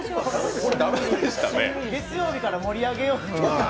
月曜日から盛り上げようと。